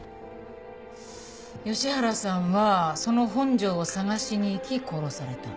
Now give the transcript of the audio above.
吉原さんはその本庄を捜しに行き殺された。